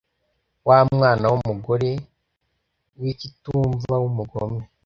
wa mwana w umugore w ikitumva w umugome